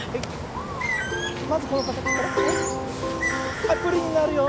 はいプリンになるよ。